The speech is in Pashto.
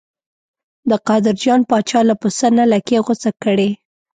د قادر جان پاچا له پسه نه لکۍ غوڅه کړې.